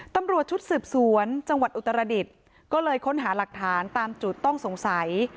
ตำรวจชุดสืบสวนจังหวัดอุตรดิษฐ์ก็เลยค้นหาหลักฐานตามจุดต้องสงสัย